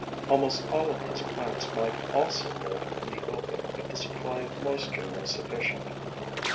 Almost all of these plants might also live in the open if the supply of moisture was sufficient.